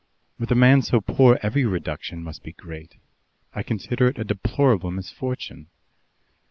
"With a man so poor, every reduction must be great. I consider it a deplorable misfortune."